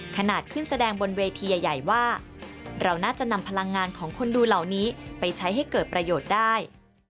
ขนาดขึ้นแสดงบนเวทีใหญ่ว่าเราน่าจะนำพลังงานของคนดูเหล่านี้ไปใช้ให้เกิดประโยชน์ได้